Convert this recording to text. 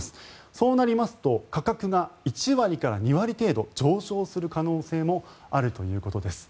そうなりますと価格が１割から２割程度上昇する可能性もあるということです。